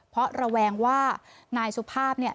เพราะระแวงว่านายสุภาพเนี่ย